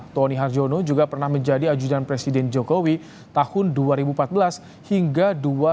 tony harjono juga pernah menjadi ajudan presiden jokowi tahun dua ribu empat belas hingga dua ribu dua puluh